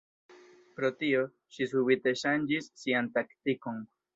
Pro tio, ŝi subite ŝanĝis sian taktikon.